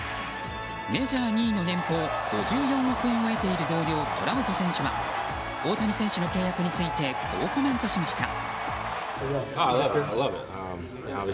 メジャー２位の年俸５４億円を得ている同僚トラウト選手は大谷選手の契約についてこうコメントしました。